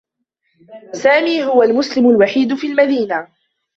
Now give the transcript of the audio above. سامي هو المسلم الوحيد في المدينة.